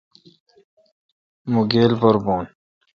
مہ گیل پر بھون۔